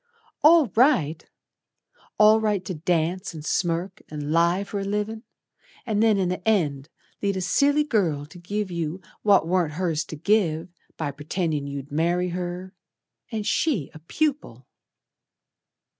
"All right! All right to dance, and smirk, and lie For a livin', And then in the end Lead a silly girl to give you What warn't hers to give By pretendin' you'd marry her And she a pupil."